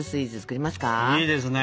いいですね！